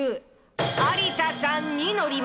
有田さんにのりました。